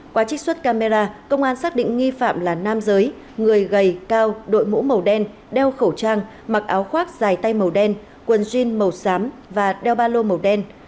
qua trích xuất camera công an xác định nghi phạm là nam giới người gầy cao đội mũ màu đen đeo khẩu trang mặc áo khoác dài tay màu đen quần jean màu xám và đeo ba lô màu đen